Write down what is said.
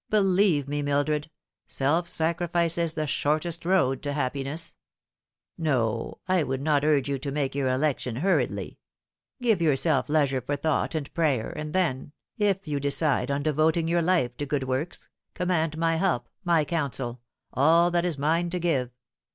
Believe me, Mildred, self sacrifice is the shortest road to happiness. No, I would not urge you to make your election hurriedly. Give yourself leisure for thought and prayer, and then, if you decide on devoting your life to good works, command my help, my counsel all that is mine to give."